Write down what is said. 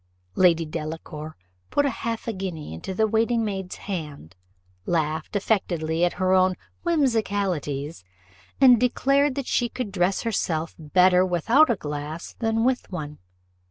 Lady Delacour put half a guinea into the waiting maid's hand, laughed affectedly at her own whimsicalities, and declared that she could always dress herself better without a glass than with one.